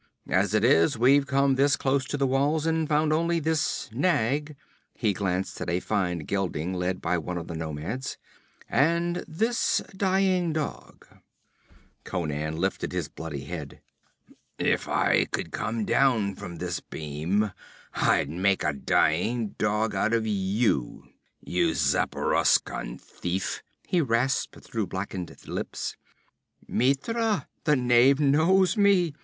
As it is we've come this close to the walls and found only this nag' he glanced at a fine gelding led by one of the nomads 'and this dying dog.' Conan lifted his bloody head. 'If I could come down from this beam I'd make a dying dog out of you, you Zaporoskan thief!' he rasped through blackened lips. 'Mitra, the knave knows me!'